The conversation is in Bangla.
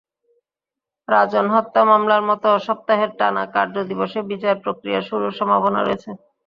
রাজন হত্যা মামলার মতো সপ্তাহের টানা কার্যদিবসে বিচার-প্রক্রিয়া শুরুর সম্ভাবনা রয়েছে।